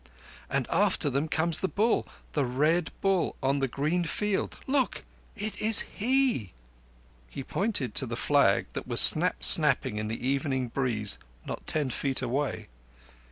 "And after them comes the Bull—the Red Bull on the green field. Look! It is he!" He pointed to the flag that was snap snapping in the evening breeze not ten feet away.